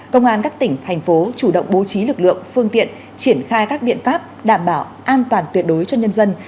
công an các tỉnh thành phố chủ động bố trí lực lượng phương tiện triển khai các biện pháp đảm bảo an toàn tuyệt đối cho nhân dân